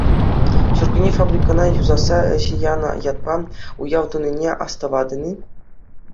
Ҫуркунне фабрикӑна юсаса ӗҫе янӑ ятпа уяв тунине астӑватӑн-и?